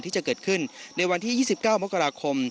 ที่จะเกิดขึ้นในวันที่๒๙มกราคม